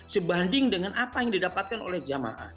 sebanding dengan apa yang didapatkan oleh jamaah